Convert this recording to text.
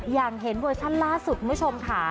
อย่างเห็นเวอร์ชั่นล่าสุดคุณผู้ชมค่ะ